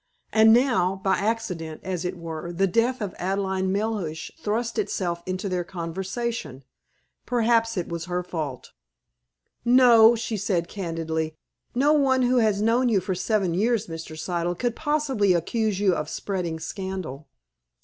And now, by accident, as it were, the death of Adelaide Melhuish thrust itself into their conversation. Perhaps it was her fault. "No," she said candidly. "No one who has known you for seven years, Mr. Siddle, could possibly accuse you of spreading scandal."